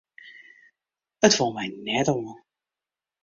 It wol my net oan.